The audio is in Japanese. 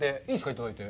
いただいて。